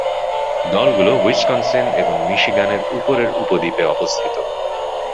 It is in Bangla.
দলগুলো উইসকনসিন এবং মিশিগানের উপরের উপদ্বীপে অবস্থিত।